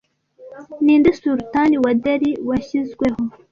Ninde Sultan wa Delhi washyizweho